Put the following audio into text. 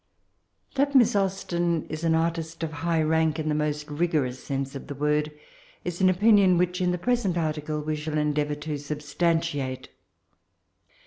That Miss Austen is an artist of high rank, in the most rigorous sense of the word, is an opinion which in the present article we shall endeavour to substantiate.